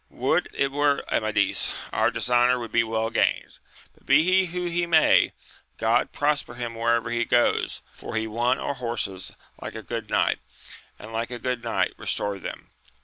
Would it were Amadis, our dishonour would be well gained ! but be he who he may, God prosper him wherever he goes 1 for he won our horses like a good knight, and Uke a good knight restored them.